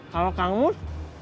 kalau kang mus